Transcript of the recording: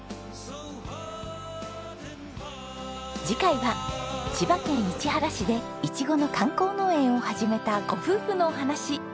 次回は千葉県市原市でイチゴの観光農園を始めたご夫婦のお話。